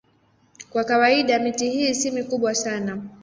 Kwa kawaida miti hii si mikubwa sana.